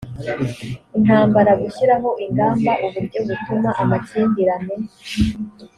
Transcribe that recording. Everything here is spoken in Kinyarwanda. intambara gushyiraho ingamba uburyo butuma amakimbirane